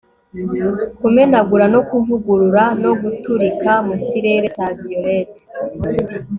Kumenagura no kuvugurura no guturika mukirere cya violet